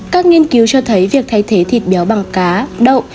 các nghiên cứu cho thấy việc thay thế thịt béo bằng cá đậu